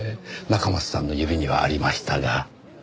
中松さんの指にはありましたが。